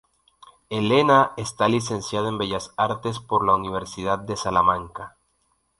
Elena está licenciada en Bellas Artes por la Universidad de Salamanca.